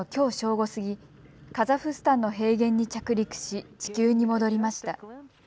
午過ぎ、カザフスタンの平原に着陸し地球に戻りました。